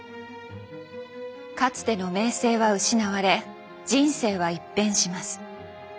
かつての名声は失われ人生は一変します。